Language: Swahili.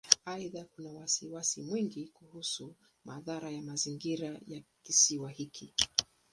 Aidha, kuna wasiwasi mwingi kuhusu madhara ya mazingira ya Kisiwa hiki.